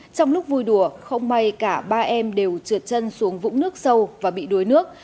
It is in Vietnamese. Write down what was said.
trong lúc vui đùa không may cả ba em đều trượt chân xuống vũng nước sâu và bị đuối nước